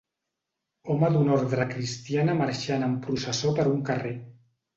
Home d'una ordre cristiana marxant en processó per un carrer.